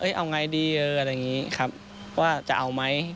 เอ้ยเอาไงดีว่าจะเอาไหม